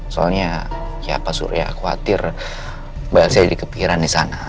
soalnya ya pak surya khawatir saya jadi kepikiran di sana